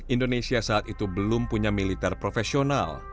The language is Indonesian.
indonesia saat itu belum punya militer profesional